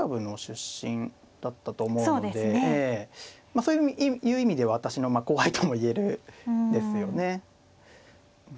そういう意味で私の後輩とも言えるんですよね。